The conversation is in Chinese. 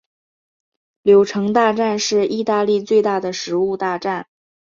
柳橙大战是义大利最大的食物大战。